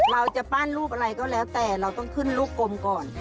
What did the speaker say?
เราจะปั้นรูปอะไรก็แล้วแต่เราต้องขึ้นลูกกลมก่อน